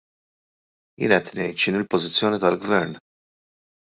Jien qed ngħid x'inhi l-pożizzjoni tal-gvern.